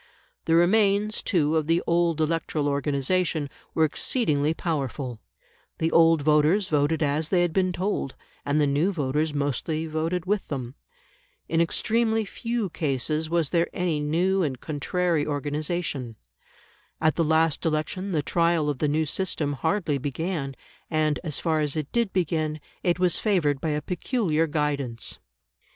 The remains, too, of the old electoral organisation were exceedingly powerful; the old voters voted as they had been told, and the new voters mostly voted with them. In extremely few cases was there any new and contrary organisation. At the last election, the trial of the new system hardly began, and, as far as it did begin, it was favoured by a peculiar guidance.